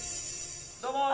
どうもー！